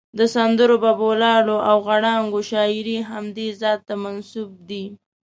د سندرو، بوللو او غړانګو شاعري همدې ذات ته منسوب دي.